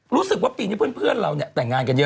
รู้สึกว่าปีนี้เพื่อนเราเนี่ยแต่งงานกันเยอะ